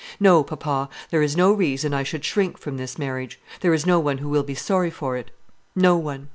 No, papa; there is no reason I should shrink from this marriage. There is no one who will be sorry for it; no one!